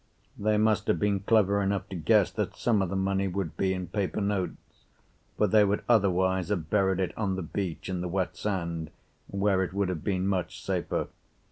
They must have been clever enough to guess that some of the money would be in paper notes, for they would otherwise have buried it on the beach in the wet sand, where it would have been much safer.